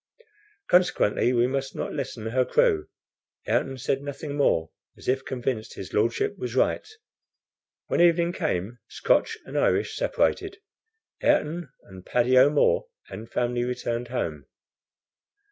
Consequently, we must not lessen her crew." Ayrton said nothing more, as if convinced his Lordship was right. When evening came, Scotch and Irish separated. Ayrton and Paddy O'Moore and family returned home.